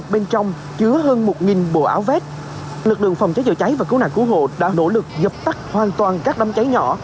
đồng thời lực lượng phòng cháy chữa cháy và cứu nạn cứu hộ đã nỗ lực dập tắt hoàn toàn các đám cháy nhỏ